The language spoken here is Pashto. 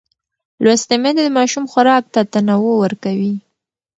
لوستې میندې د ماشوم خوراک ته تنوع ورکوي.